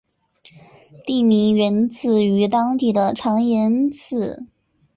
地名源自于当地的长延寺。